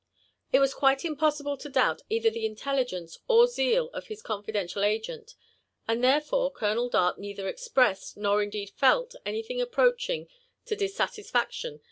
It was quite impossible to doubt either the intelligence or zeal of his confidential agent, and therefore Colonel Dart neither expressed nor indeed felt anything approaching to dissatisfaction